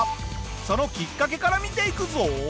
そのきっかけから見ていくぞ！